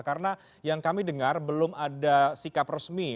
karena yang kami dengar belum ada sikap resmi